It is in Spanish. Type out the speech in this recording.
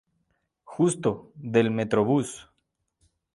Justo" del Metrobús.